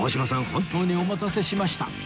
本当にお待たせしました